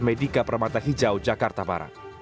medika permata hijau jakarta barat